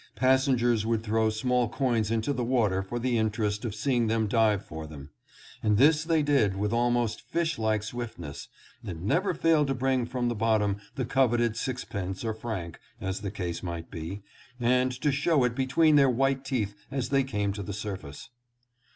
Passengers would throw small coins into the water for the interest THROUGH THE SUEZ CANAL. 705 of seeing them dive for them ; and this they did with almost fish like swiftness, and never failed to bring from the bottom the coveted sixpence or franc, as the case might be, and to show it between their white teeth as they came to the surface.